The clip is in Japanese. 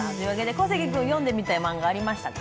小関君、読んでみたいマンガありましたか？